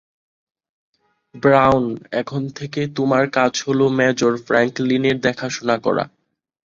Brown, এখন থেকে তোমার কাজ হল মেজর ফ্র্যাঙ্কলিনের দেখাশোনা করা।